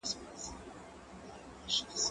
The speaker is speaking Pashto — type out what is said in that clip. زه به سبا سبزیجات وچوم وم!.